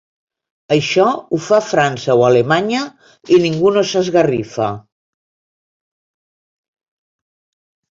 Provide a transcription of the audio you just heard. Això ho fa França o Alemanya, i ningú no s’esgarrifa.